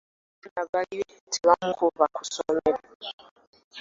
Oyo omwana baali tebamukuba ku ssomero.